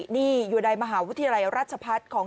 นี่อยู่ในมหาวิทยาลัยราชพัฒน์ของ